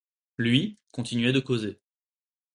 Lui, continuait de causer.